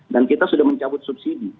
dan kita sudah mencabut subsidi